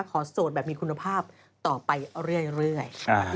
โสดแบบมีคุณภาพต่อไปเรื่อย